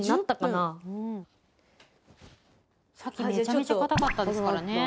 さっきめちゃくちゃ硬かったですからね。